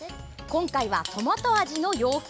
今回は、トマト味の洋風。